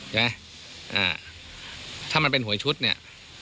ใช่ไหมถ้ามันเป็นหวยชุดเนี่ย